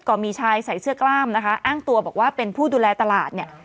ก็มีชายใส่เสื้อกล้ามนะคะอ้างตัวบอกว่าเป็นผู้ดูแลตลาดเนี่ย